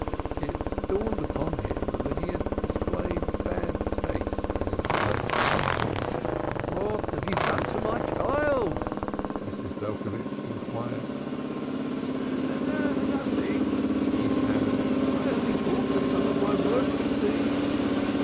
It dawned upon him that he had displayed bad taste in his selection. "What have you done to my child?" Mrs. Belcovitch inquired. "N n othing," he stammered; "I only brought her some of my work to see."